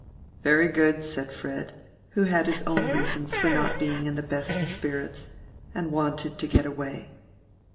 "Very good," said Fred, who had his own reasons for not being in the best spirits, and wanted to get away.